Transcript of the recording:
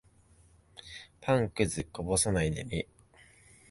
パンくず、こぼさないでね。